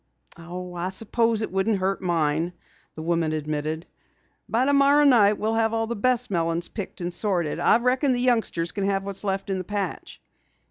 "I suppose it wouldn't hurt mine," the woman admitted. "By tomorrow night we'll have all the best melons picked and sorted. I reckon the youngsters can have what's left in the patch."